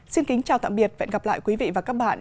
xin kính chào tạm biệt và hẹn gặp lại quý vị và các bạn